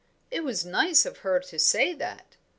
'" "It was nice of her to say that."